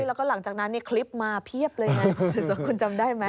แล้วก็หลังจากนั้นคลิปมาเพียบเลยไงคุณสุดสกุลจำได้ไหม